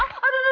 aduh aduh aduh